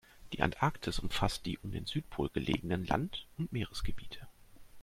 Die Antarktis umfasst die um den Südpol gelegenen Land- und Meeresgebiete.